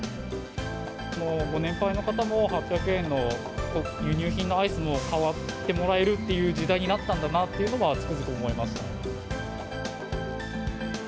もうご年配の方も、８００円の輸入品のアイスも買ってもらえるっていう時代になったんだなっていうのは、つくづく思います。